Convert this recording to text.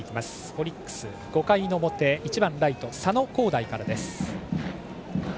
オリックス５回表１番ライト、佐野皓大からです。